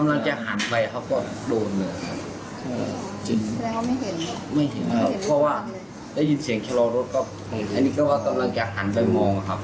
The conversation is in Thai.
ว่ารุกท้าอยู่บ้างไหมและค่อยเข้าฉนที่บ้าน